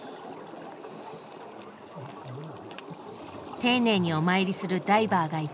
丁寧にお参りするダイバーがいた。